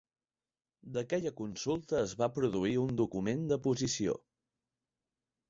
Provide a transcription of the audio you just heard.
D'aquella consulta es va produir un document de posició.